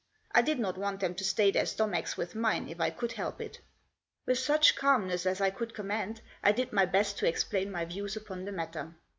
I did not want them to stay their stomachs with mine if I could help it. With such calmness as I could command I did my best to explain my views upon the matter.